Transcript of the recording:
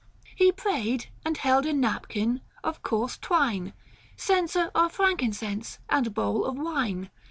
He prayed, and held a napkin of coarse twine, Censer of frankincense, and bowl of wine.